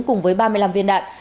cùng với ba mươi năm người